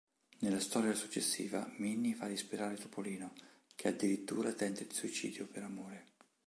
Nella storia successiva Minni fa disperare Topolino, che addirittura tenta il suicidio per amore.